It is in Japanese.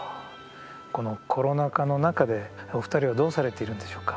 このコロナ禍のなかでお二人はどうされているんでしょうか？